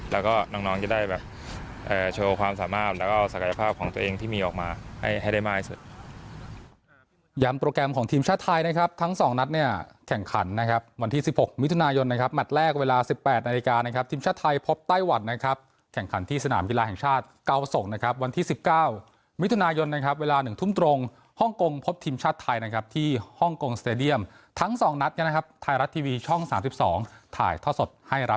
แล้วก็น้องจะได้แบบโชว์ความสามารถแล้วก็ศักยภาพของตัวเองที่มีออกมาให้ได้มากที่สุด